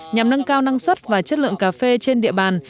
nhằm nâng cao năng suất và chất lượng cà phê trên địa bàn